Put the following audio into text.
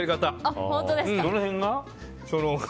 どの辺が？